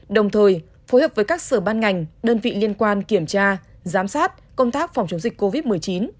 đồng thời phối hợp với các sở ban ngành đơn vị liên quan kiểm tra giám sát công tác phòng chống dịch covid một mươi chín